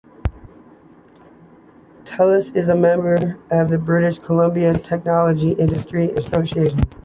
Telus is a member of the British Columbia Technology Industry Association.